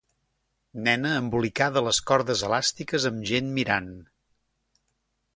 Nena embolicada a les cordes elàstiques amb gent mirant.